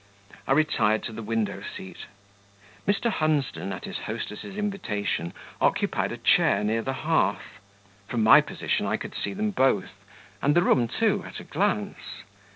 I retired to the window seat; Mr. Hunsden, at his hostess's invitation, occupied a chair near the hearth; from my position I could see them both, and the room too, at a glance.